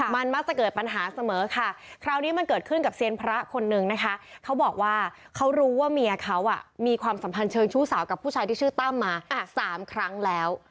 มันมักจะเกิดปัญหาเสมอค่ะคราวนี้มันเกิดขึ้นกับเซียนพระคนนึงนะคะเขาบอกว่าเขารู้ว่าเมียเขามีความสัมพันธ์เชิงชู้สาวกับผู้ชายที่ชื่อตั้มมา๓ครั้งแล้ว